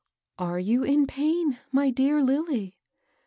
*' Are you in pain, my dear Lilly?